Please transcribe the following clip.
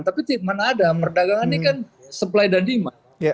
tapi mana ada perdagangan ini kan supply dan demand